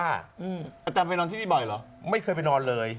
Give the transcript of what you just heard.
อาจารย์ไปนอนที่นี่บ่อยเหรอไม่เคยไปนอนเลย